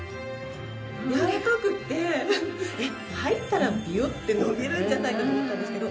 やわらかくって入ったらビュッて伸びるんじゃないかと思ったんですけど。